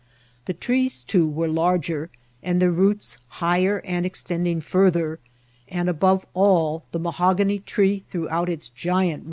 The trees, too, were larger, and their roots higher and extending farther ; and, above all, the mahogany tree threw out its giant PSRIL8BYTHBWAY.